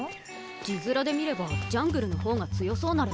字面で見ればジャングルの方が強そうなれば。